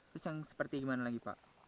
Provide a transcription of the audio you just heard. terus yang seperti gimana lagi pak